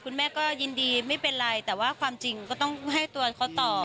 คุณแม่ก็ยินดีไม่เป็นไรแต่ว่าความจริงก็ต้องให้ตัวเขาตอบ